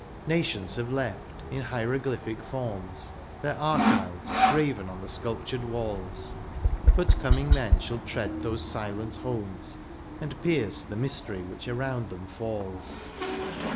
Nations have left, in hieroglyphic forms^ Their archives, graven on the sculptured walls ; But coming men shall tread those silent homes. And pierce the mystery which around them falls.